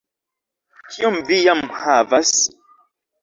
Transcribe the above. Kiom vi jam havas?